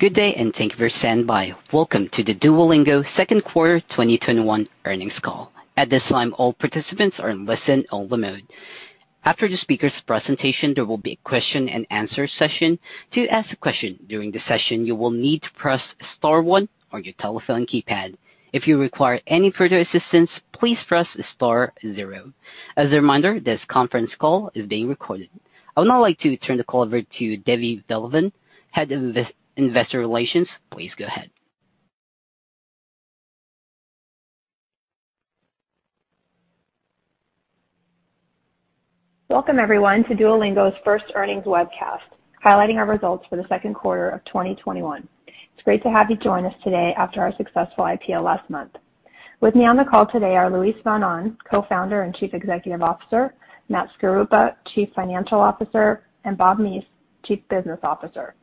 Good day, and thank you for standing by. Welcome to the Duolingo second quarter 2021 earnings call. I would now like to turn the call over to Deborah Belevan, Head of Investor Relations. Please go ahead. Welcome, everyone, to Duolingo's first earnings webcast, highlighting our results for the second quarter of 2021. It's great to have you join us today after our successful IPO last month. With me on the call today are Luis von Ahn, Co-founder and Chief Executive Officer, Matthew Skaruppa, Chief Financial Officer, and Bob Meese, Chief Business Officer.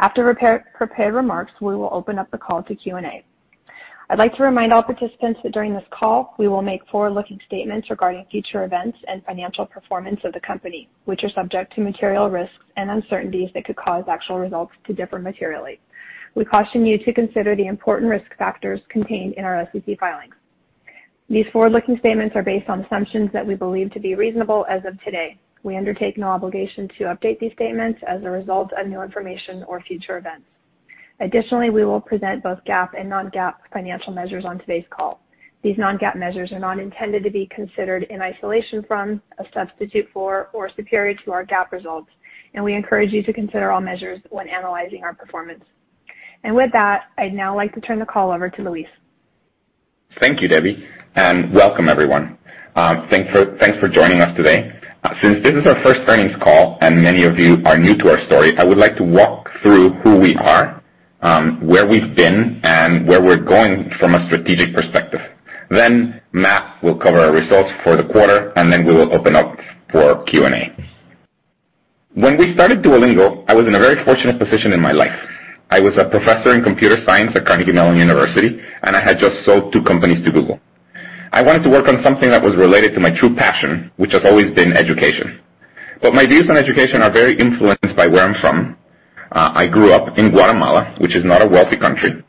After prepared remarks, we will open up the call to Q&A. I'd like to remind all participants that during this call, we will make forward-looking statements regarding future events and financial performance of the company, which are subject to material risks and uncertainties that could cause actual results to differ materially. We caution you to consider the important risk factors contained in our SEC filings. These forward-looking statements are based on assumptions that we believe to be reasonable as of today. We undertake no obligation to update these statements as a result of new information or future events. Additionally, we will present both GAAP and non-GAAP financial measures on today's call. These non-GAAP measures are not intended to be considered in isolation from, a substitute for, or superior to, our GAAP results, we encourage you to consider all measures when analyzing our performance. With that, I'd now like to turn the call over to Luis. Thank you, Deborah, and welcome everyone. Thanks for joining us today. Since this is our first earnings call and many of you are new to our story, I would like to walk through who we are, where we've been, and where we're going from a strategic perspective. Matt will cover our results for the quarter, and then we will open up for Q&A. When we started Duolingo, I was in a very fortunate position in my life. I was a professor in computer science at Carnegie Mellon University, and I had just sold two companies to Google. I wanted to work on something that was related to my true passion, which has always been education. My views on education are very influenced by where I'm from. I grew up in Guatemala, which is not a wealthy country.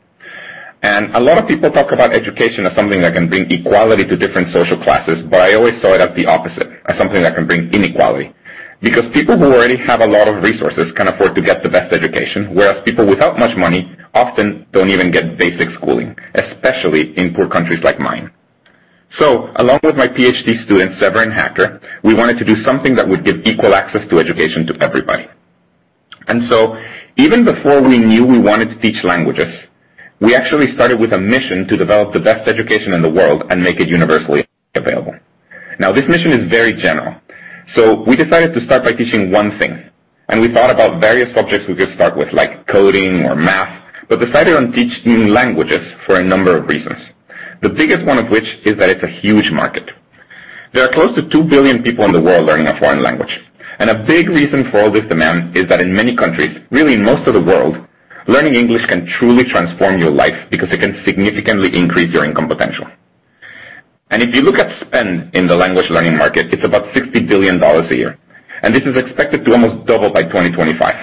A lot of people talk about education as something that can bring equality to different social classes, but I always saw it as the opposite, as something that can bring inequality. Because people who already have a lot of resources can afford to get the best education, whereas people without much money often don't even get basic schooling, especially in poor countries like mine. Along with my PhD student, Severin Hacker, we wanted to do something that would give equal access to education to everybody. Even before we knew we wanted to teach languages, we actually started with a mission to develop the best education in the world and make it universally available. Now, this mission is very general. We decided to start by teaching one thing, and we thought about various subjects we could start with, like coding or math, but decided on teaching languages for a number of reasons. The biggest one of which is that it's a huge market. There are close to 2 billion people in the world learning a foreign language, and a big reason for all this demand is that in many countries, really most of the world, learning English can truly transform your life because it can significantly increase your income potential. If you look at spend in the language learning market, it's about $60 billion a year, and this is expected to almost double by 2025.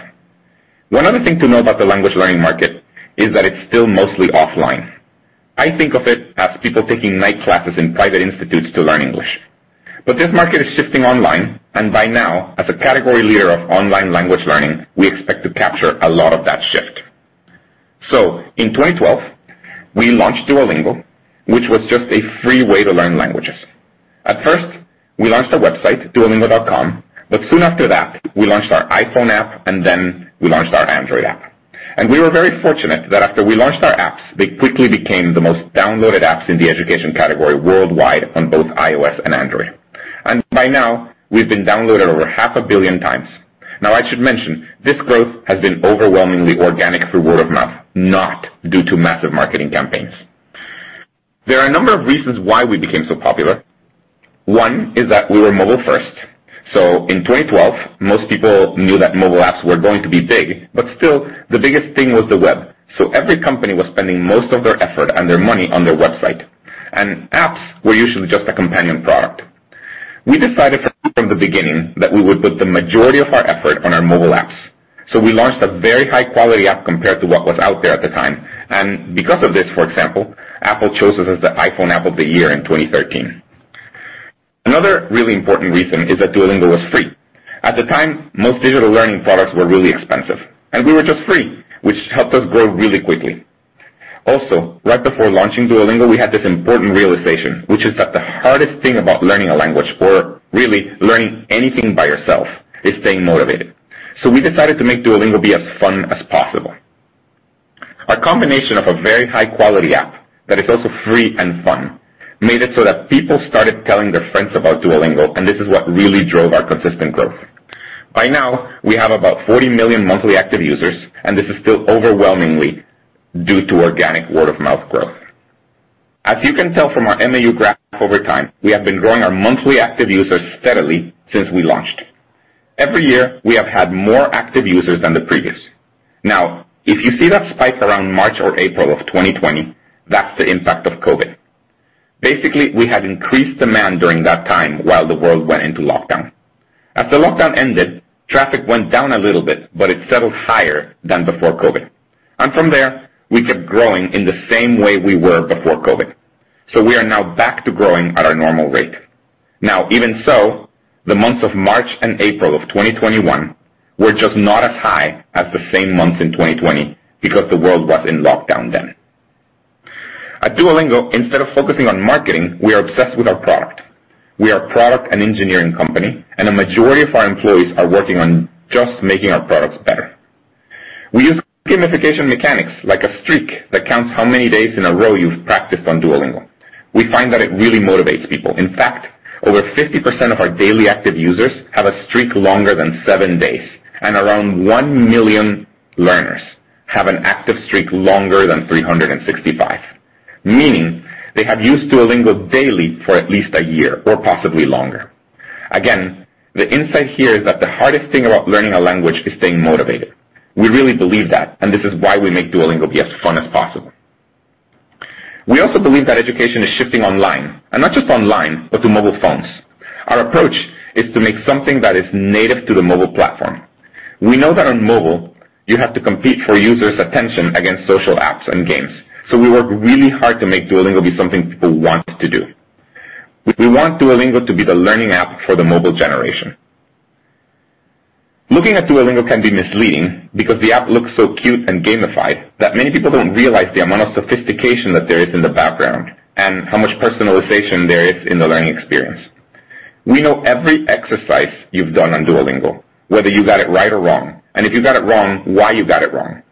One other thing to know about the language learning market is that it's still mostly offline. I think of it as people taking night classes in private institutes to learn English. This market is shifting online, and by now, as a category leader of online language learning, we expect to capture a lot of that shift. In 2012, we launched Duolingo, which was just a free way to learn languages. At first, we launched a website, duolingo.com, but soon after that, we launched our iPhone app, and then we launched our Android app. We were very fortunate that after we launched our apps, they quickly became the most downloaded apps in the education category worldwide on both iOS and Android. By now, we've been downloaded over half a billion times. I should mention, this growth has been overwhelmingly organic through word of mouth, not due to massive marketing campaigns. There are a number of reasons why we became so popular. One is that we were mobile-first. In 2012, most people knew that mobile apps were going to be big, but still, the biggest thing was the web. Every company was spending most of their effort and their money on their website. Apps were usually just a companion product. We decided from the beginning that we would put the majority of our effort on our mobile apps. We launched a very high-quality app compared to what was out there at the time. Because of this, for example, Apple chose us as the iPhone App of the Year in 2013. Another really important reason is that Duolingo was free. At the time, most digital learning products were really expensive, and we were just free, which helped us grow really quickly. Right before launching Duolingo, we had this important realization, which is that the hardest thing about learning a language, or really learning anything by yourself, is staying motivated. We decided to make Duolingo be as fun as possible. A combination of a very high-quality app that is also free and fun made it so that people started telling their friends about Duolingo, and this is what really drove our consistent growth. By now, we have about 40 million monthly active users, and this is still overwhelmingly due to organic word-of-mouth growth. As you can tell from our MAU graph over time, we have been growing our monthly active users steadily since we launched. Every year, we have had more active users than the previous. If you see that spike around March or April of 2020, that's the impact of COVID. Basically, we had increased demand during that time while the world went into lockdown. As the lockdown ended, traffic went down a little bit, but it settled higher than before COVID. From there, we kept growing in the same way we were before COVID. We are now back to growing at our normal rate. Even so, the months of March and April of 2021 were just not as high as the same months in 2020 because the world was in lockdown then. At Duolingo, instead of focusing on marketing, we are obsessed with our product. We are a product and engineering company, and a majority of our employees are working on just making our products better. We use gamification mechanics like a streak that counts how many days in a row you've practiced on Duolingo. We find that it really motivates people. In fact, over 50% of our daily active users have a streak longer than seven days, and around 1 million learners have an active streak longer than 365, meaning they have used Duolingo daily for at least 1 year or possibly longer. Again, the insight here is that the hardest thing about learning a language is staying motivated. We really believe that, and this is why we make Duolingo be as fun as possible. We also believe that education is shifting online, and not just online, but to mobile phones. Our approach is to make something that is native to the mobile platform. We know that on mobile, you have to compete for users' attention against social apps and games. We work really hard to make Duolingo be something people want to do. We want Duolingo to be the learning app for the mobile generation. Looking at Duolingo can be misleading because the app looks so cute and gamified that many people don't realize the amount of sophistication that there is in the background and how much personalization there is in the learning experience. We know every exercise you've done on Duolingo, whether you got it right or wrong, and if you got it wrong, why you got it wrong.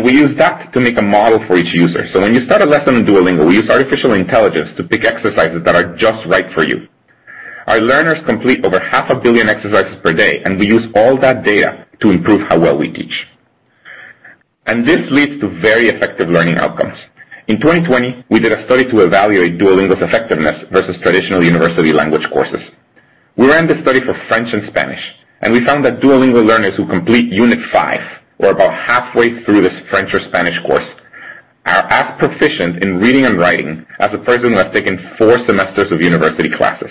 We use that to make a model for each user. When you start a lesson on Duolingo, we use artificial intelligence to pick exercises that are just right for you. Our learners complete over half a billion exercises per day, and we use all that data to improve how well we teach. This leads to very effective learning outcomes. In 2020, we did a study to evaluate Duolingo's effectiveness versus traditional university language courses. We ran the study for French and Spanish, and we found that Duolingo learners who complete unit five, or about halfway through this French or Spanish course, are as proficient in reading and writing as a person who has taken four semesters of university classes.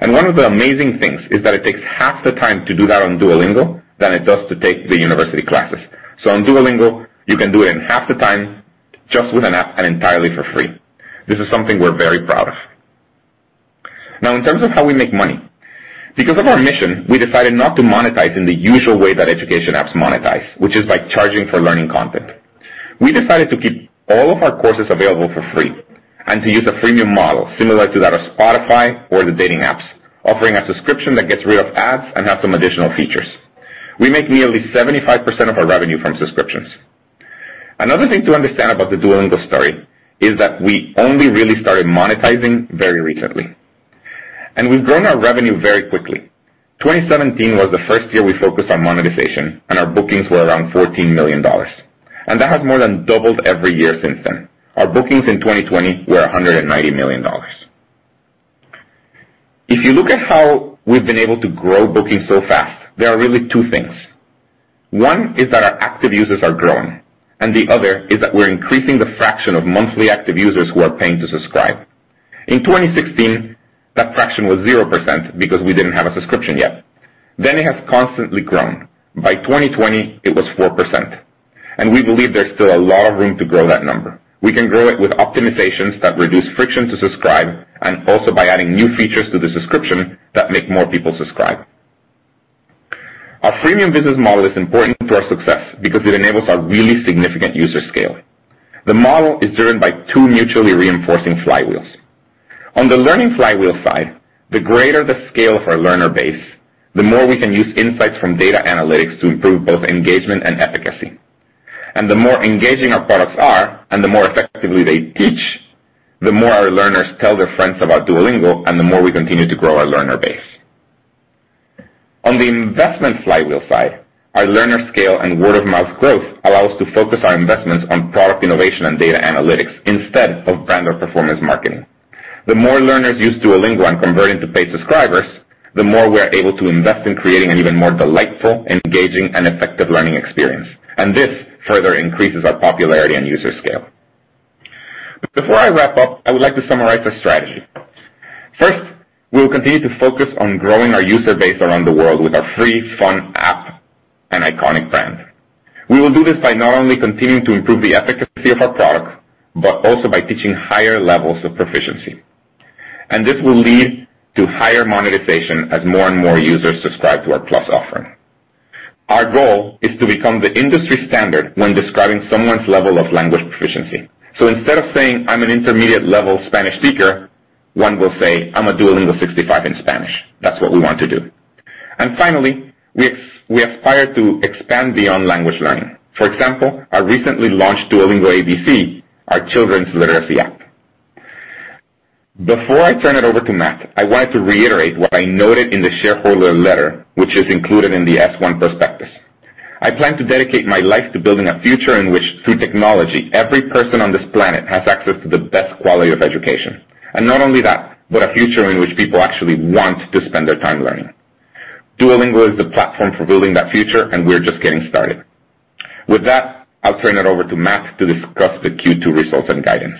One of the amazing things is that it takes half the time to do that on Duolingo than it does to take the university classes. On Duolingo, you can do it in half the time, just with an app and entirely for free. This is something we're very proud of. Now, in terms of how we make money. Because of our mission, we decided not to monetize in the usual way that education apps monetize, which is by charging for learning content. We decided to keep all of our courses available for free and to use a freemium model similar to that of Spotify or the dating apps, offering a subscription that gets rid of ads and has some additional features. We make nearly 75% of our revenue from subscriptions. Another thing to understand about the Duolingo story is that we only really started monetizing very recently. We've grown our revenue very quickly. 2017 was the first year we focused on monetization, and our bookings were around $14 million. That has more than doubled every year since then. Our bookings in 2020 were $190 million. If you look at how we've been able to grow bookings so fast, there are really two things. One is that our active users are growing, and the other is that we're increasing the fraction of monthly active users who are paying to subscribe. In 2016, that fraction was 0% because we didn't have a subscription yet. It has constantly grown. By 2020, it was 4%, and we believe there's still a lot of room to grow that number. We can grow it with optimizations that reduce friction to subscribe, and also by adding new features to the subscription that make more people subscribe. Our freemium business model is important to our success because it enables a really significant user scale. The model is driven by two mutually reinforcing flywheels. On the learning flywheel side, the greater the scale of our learner base, the more we can use insights from data analytics to improve both engagement and efficacy. The more engaging our products are and the more effectively they teach, the more our learners tell their friends about Duolingo, and the more we continue to grow our learner base. On the investment flywheel side, our learner scale and word-of-mouth growth allow us to focus our investments on product innovation and data analytics instead of brand or performance marketing. The more learners use Duolingo and convert into paid subscribers, the more we are able to invest in creating an even more delightful, engaging, and effective learning experience. This further increases our popularity and user scale. Before I wrap up, I would like to summarize our strategy. First, we will continue to focus on growing our user base around the world with our free, fun app and iconic brand. We will do this by not only continuing to improve the efficacy of our product, but also by teaching higher levels of proficiency. This will lead to higher monetization as more and more users subscribe to our Plus offering. Our goal is to become the industry standard when describing someone's level of language proficiency. Instead of saying, "I'm an intermediate level Spanish speaker," one will say, "I'm a Duolingo 65 in Spanish." That's what we want to do. Finally, we aspire to expand beyond language learning, for example, our recently launched Duolingo ABC, our children's literacy app. Before I turn it over to Matt, I wanted to reiterate what I noted in the shareholder letter, which is included in the S1 prospectus. I plan to dedicate my life to building a future in which, through technology, every person on this planet has access to the best quality of education. Not only that, but a future in which people actually want to spend their time learning. Duolingo is the platform for building that future, and we're just getting started. With that, I'll turn it over to Matt to discuss the Q2 results and guidance.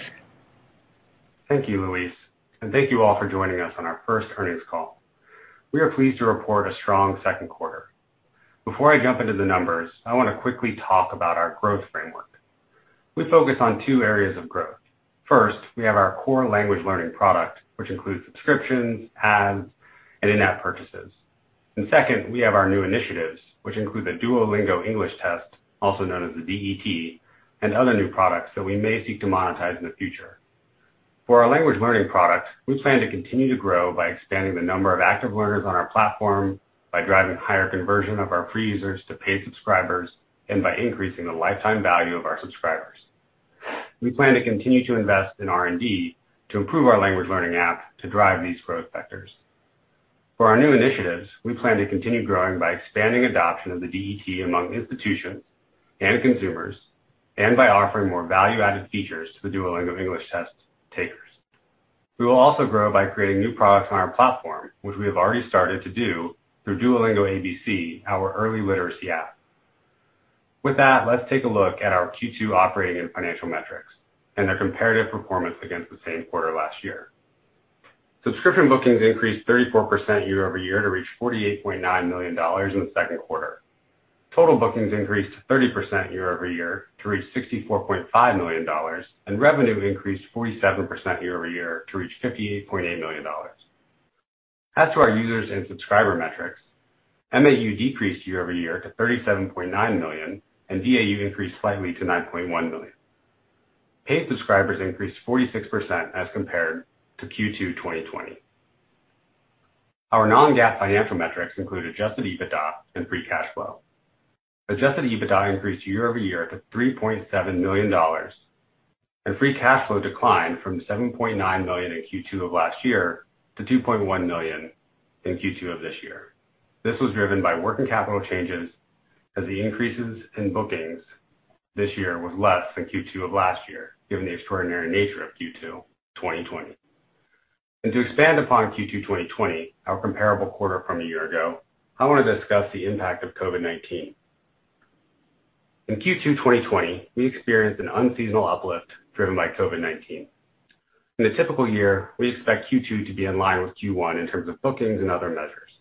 Thank you, Luis. Thank you all for joining us on our 1st earnings call. We are pleased to report a strong 2nd quarter. Before I jump into the numbers, I want to quickly talk about our growth framework. We focus on two areas of growth. First, we have our core language learning product, which includes subscriptions, ads, and in-app purchases. Second, we have our new initiatives, which include the Duolingo English Test, also known as the DET, and other new products that we may seek to monetize in the future. For our language learning products, we plan to continue to grow by expanding the number of active learners on our platform by driving higher conversion of our free users to paid subscribers, and by increasing the lifetime value of our subscribers. We plan to continue to invest in R&D to improve our language learning app to drive these growth vectors. For our new initiatives, we plan to continue growing by expanding adoption of the DET among institutions and consumers, and by offering more value-added features to the Duolingo English Test takers. We will also grow by creating new products on our platform, which we have already started to do through Duolingo ABC, our early literacy app. With that, let's take a look at our Q2 operating and financial metrics and their comparative performance against the same quarter last year. Subscription bookings increased 34% year-over-year to reach $48.9 million in the second quarter. Total bookings increased 30% year-over-year to reach $64.5 million, and revenue increased 47% year-over-year to reach $58.8 million. As to our users and subscriber metrics, MAU decreased year-over-year to 37.9 million, and DAU increased slightly to 9.1 million. Paid subscribers increased 46% as compared to Q2 2020. Our non-GAAP financial metrics include adjusted EBITDA and free cash flow. Adjusted EBITDA increased year-over-year to $3.7 million, and free cash flow declined from $7.9 million in Q2 of last year to $2.1 million in Q2 of this year. This was driven by working capital changes as the increases in bookings this year was less than Q2 of last year, given the extraordinary nature of Q2 2020. To expand upon Q2 2020, our comparable quarter from a year ago, I want to discuss the impact of COVID-19. In Q2 2020, we experienced an unseasonal uplift driven by COVID-19. In a typical year, we expect Q2 to be in line with Q1 in terms of bookings and other measures.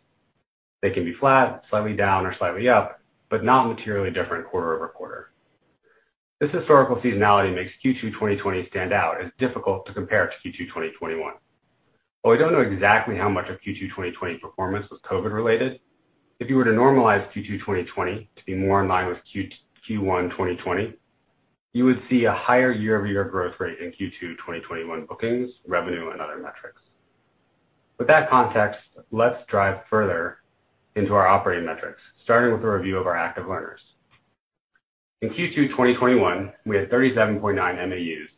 They can be flat, slightly down, or slightly up, but not materially different quarter-over-quarter. This historical seasonality makes Q2 2020 stand out as difficult to compare to Q2 2021. While we don't know exactly how much of Q2 2020 performance was COVID-19 related, if you were to normalize Q2 2020 to be more in line with Q1 2020, you would see a higher year-over-year growth rate in Q2 2021 bookings, revenue, and other metrics. With that context, let's dive further into our operating metrics, starting with a review of our active learners. In Q2 2021, we had 37.9 MAUs,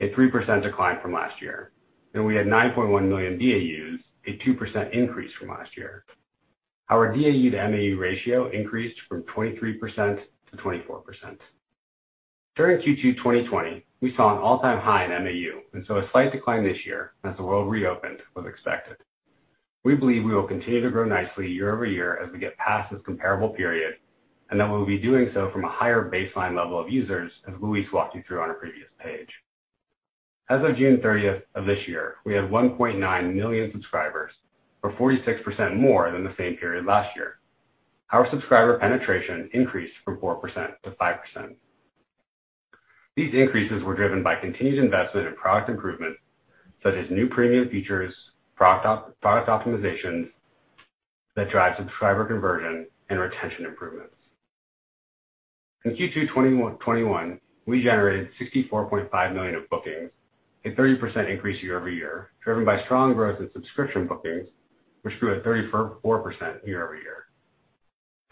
a 3% decline from last year. We had 9.1 million DAUs, a 2% increase from last year. Our DAU to MAU ratio increased from 23%-24%. During Q2 2020, we saw an all-time high in MAU, and so a slight decline this year, as the world reopened, was expected. We believe we will continue to grow nicely year-over-year as we get past this comparable period, and that we'll be doing so from a higher baseline level of users, as Luis walked you through on a previous page. As of June 30th of this year, we had 1.9 million subscribers, or 46% more than the same period last year. Our subscriber penetration increased from 4%-5%. These increases were driven by continued investment in product improvement, such as new premium features, product optimizations that drive subscriber conversion, and retention improvements. In Q2 2021, we generated $64.5 million of bookings, a 30% increase year-over-year, driven by strong growth in subscription bookings, which grew at 34% year-over-year.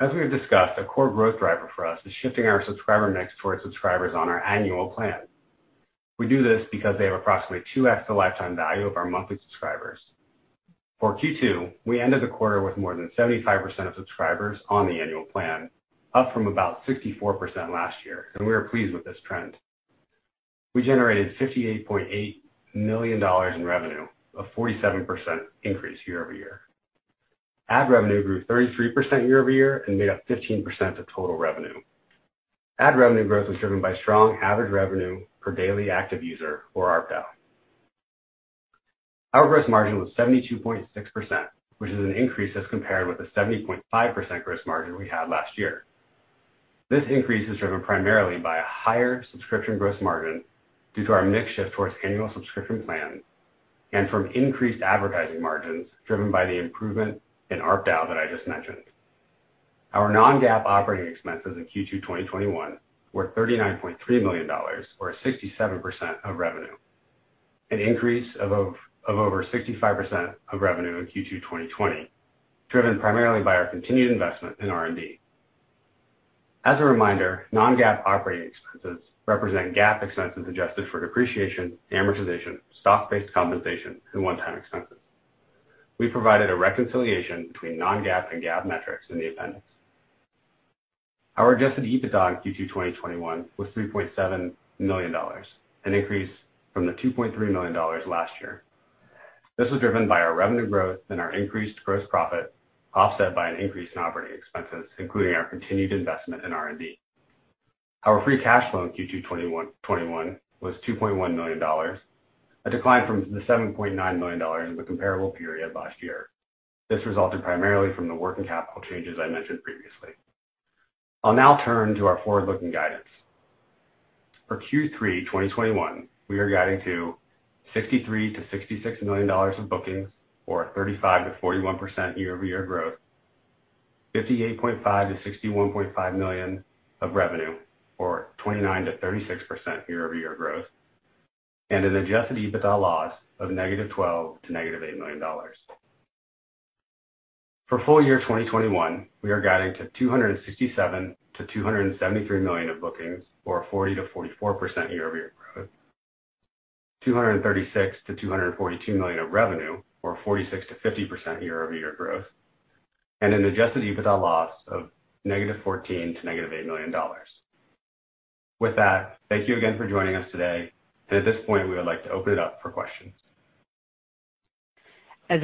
As we have discussed, a core growth driver for us is shifting our subscriber mix towards subscribers on our annual plan. We do this because they have approximately 2X the lifetime value of our monthly subscribers. For Q2, we ended the quarter with more than 75% of subscribers on the annual plan, up from about 64% last year, and we are pleased with this trend. We generated $58.8 million in revenue, a 47% increase year-over-year. Ad revenue grew 33% year-over-year and made up 15% of total revenue. Ad revenue growth was driven by strong average revenue per daily active user or ARPAU. Our gross margin was 72.6%, which is an increase as compared with the 70.5% gross margin we had last year. This increase is driven primarily by a higher subscription gross margin due to our mix shift towards annual subscription plans and from increased advertising margins driven by the improvement in ARPAU that I just mentioned. Our non-GAAP operating expenses in Q2 2021 were $39.3 million, or 67% of revenue, an increase of over 65% of revenue in Q2 2020, driven primarily by our continued investment in R&D. As a reminder, non-GAAP operating expenses represent GAAP expenses adjusted for depreciation, amortization, stock-based compensation, and one-time expenses. We provided a reconciliation between non-GAAP and GAAP metrics in the appendix. Our adjusted EBITDA in Q2 2021 was $3.7 million, an increase from the $2.3 million last year. This was driven by our revenue growth and our increased gross profit, offset by an increase in operating expenses, including our continued investment in R&D. Our free cash flow in Q2 2021 was $2.1 million, a decline from the $7.9 million in the comparable period last year. This resulted primarily from the working capital changes I mentioned previously. I'll now turn to our forward-looking guidance. For Q3 2021, we are guiding to $63 million-$66 million of bookings, or a 35%-41% year-over-year growth, $58.5 million-$61.5 million of revenue, or 29%-36% year-over-year growth, and an adjusted EBITDA loss of -$12 million to -$8 million. For full year 2021, we are guiding to $267 million-$273 million of bookings, or a 40%-44% year-over-year growth, $236 million-$242 million of revenue, or 46%-50% year-over-year growth, and an adjusted EBITDA loss of -$14 million to -$8 million. With that, thank you again for joining us today. At this point, we would like to open it up for questions. Please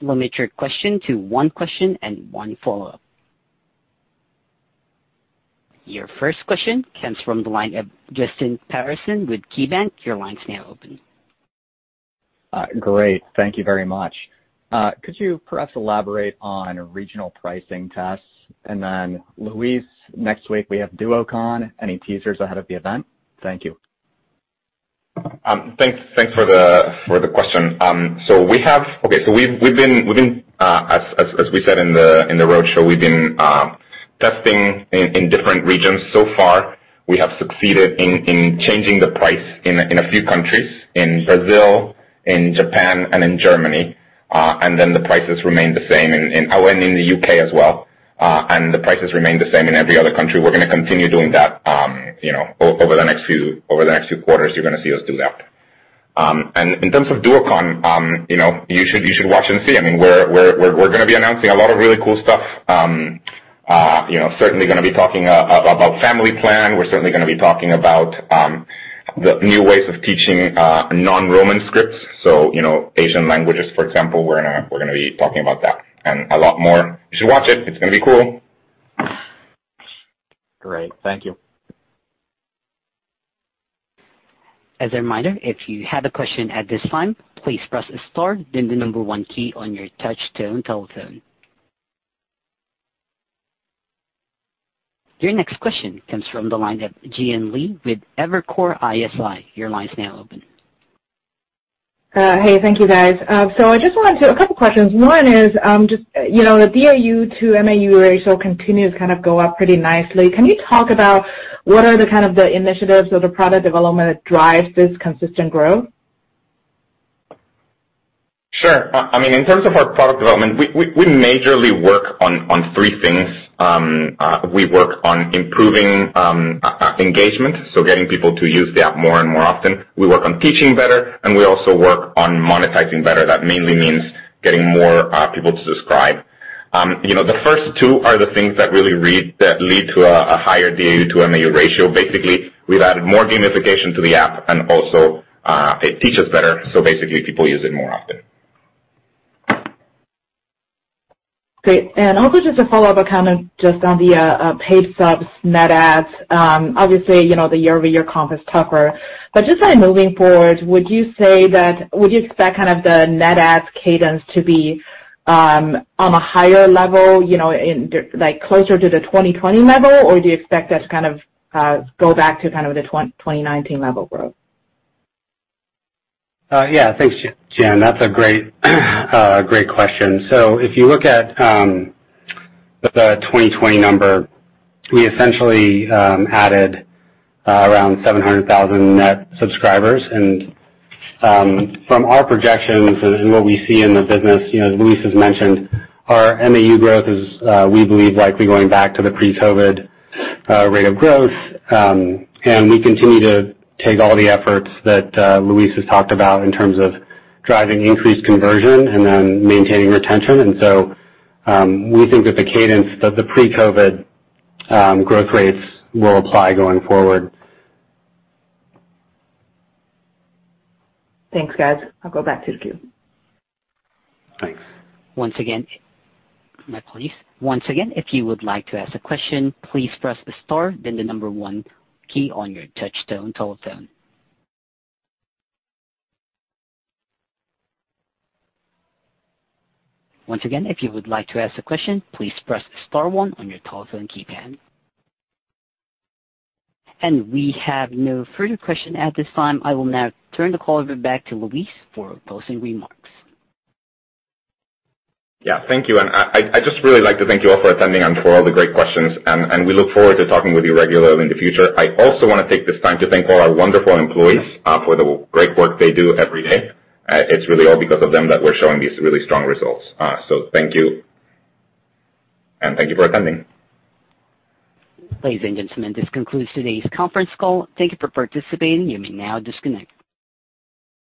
limit your question to one question and one follow-up. Your first question comes from the line of Justin Patterson with KeyBanc. Great. Thank you very much. Could you perhaps elaborate on regional pricing tests? Luis, next week we have Duocon. Any teasers ahead of the event? Thank you. Thanks for the question. As we said in the roadshow, we've been testing in different regions. Far we have succeeded in changing the price in a few countries, in Brazil, in Japan, and in Germany. In the U.K. as well. The prices remain the same in every other country. We're going to continue doing that. Over the next few quarters, you're going to see us do that. In terms of Duocon, you should watch and see. We're going to be announcing a lot of really cool stuff. Certainly going to be talking about Family Plan. We're certainly going to be talking about the new ways of teaching non-Roman scripts. Asian languages, for example, we're going to be talking about that and a lot more. You should watch it. It's going to be cool. Great. Thank you. Your next question comes from the line of Jian Li with Evercore ISI. Your line's now open. Hey, thank you, guys. A couple questions. One is, just the DAU to MAU ratio continues to kind of go up pretty nicely. Can you talk about what are the initiatives or the product development that drives this consistent growth? Sure. In terms of our product development, we majorly work on three things. We work on improving engagement, so getting people to use the app more and more often. We work on teaching better, and we also work on monetizing better. That mainly means getting more people to subscribe. The first two are the things that lead to a higher DAU to MAU ratio. Basically, we've added more gamification to the app, and also, it teaches better, so basically people use it more often. Great. Also just a follow-up, just on the paid subs net adds. Obviously, the year-over-year comp is tougher. Just by moving forward, would you expect the net adds cadence to be on a higher level, closer to the 2020 level? Do you expect that to go back to the 2019 level growth? Thanks, Jian. That's a great question. If you look at the 2020 number, we essentially added around 700,000 net subscribers. From our projections and what we see in the business, as Luis has mentioned, our MAU growth is, we believe, likely going back to the pre-COVID rate of growth. We continue to take all the efforts that Luis has talked about in terms of driving increased conversion and then maintaining retention. We think that the cadence, that the pre-COVID growth rates will apply going forward. Thanks, guys. I'll go back to the queue. Thanks. Once again, if you would like to ask a question, please press star then the number one key on your touch tone telephone. Once again, if you would like to ask a question, please press star one on your telephone keypad. We have no further question at this time. I will now turn the call over back to Luis for closing remarks. Yeah. Thank you. I'd just really like to thank you all for attending and for all the great questions. We look forward to talking with you regularly in the future. I also want to take this time to thank all our wonderful employees for the great work they do every day. It's really all because of them that we're showing these really strong results. Thank you, and thank you for attending. Ladies and gentlemen, this concludes today's conference call. Thank you for participating. You may now disconnect.